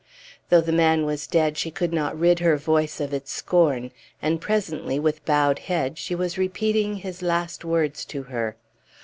Though the man was dead, she could not rid her voice of its scorn; and presently, with bowed head, she was repeating his last words to her.